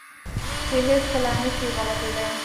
چې هېڅ کله نه شي غلطېداى.